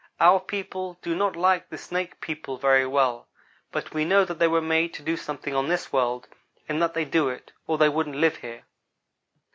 "Our people do not like the Snake people very well, but we know that they were made to do something on this world, and that they do it, or they wouldn't live here.